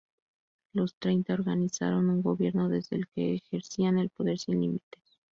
Los Treinta organizaron un gobierno desde el que ejercían el poder sin límites.